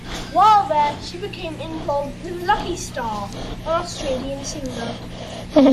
While there, she became involved with Lucky Starr, an Australian singer.